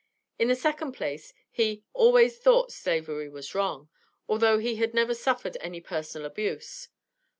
In the second place, he "always thought Slavery was wrong," although he had "never suffered any personal abuse."